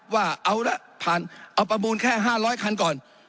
ว่าเอาละผ่านเอาประมูลแค่๕๐๐คันก่อน